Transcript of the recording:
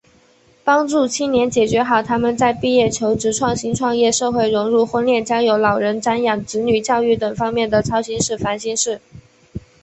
帮助青年解决好他们在毕业求职、创新创业、社会融入、婚恋交友、老人赡养、子女教育等方面的操心事、烦心事……